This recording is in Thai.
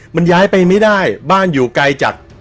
มันย้ายไปไม่ได้บ้านอยู่ไกลจาก